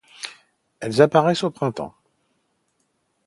Elles apparaissent au printemps.